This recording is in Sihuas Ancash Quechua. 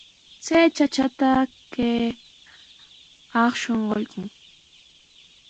Chay chachata kay akshun quykuy.